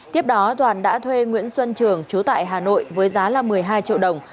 tiếp đó toàn đã thuê nguyễn xuân trường chú tại hà nội với giá một mươi hai triệu đồng